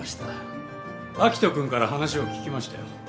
明人君から話を聞きましたよ。